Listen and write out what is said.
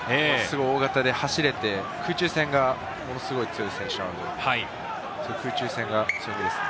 大型で走れて、空中戦がものすごい強い選手なので、空中戦が強みですね。